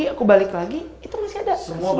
aku balik lagi itu masih ada